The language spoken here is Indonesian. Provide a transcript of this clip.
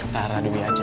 tara dulu aja